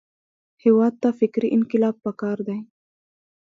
هېواد ته فکري انقلاب پکار دی